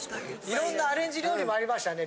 いろんなアレンジ料理もありましたね。